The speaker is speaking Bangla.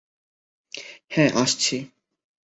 হ্যাঁ, আসছি।